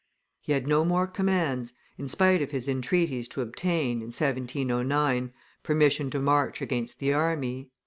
He had no more commands, in spite of his entreaties to obtain, in 1709, permission to march against the enemy.